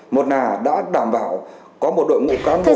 một nà đã đảm bảo có một đội ngũ cán bộ không trình độ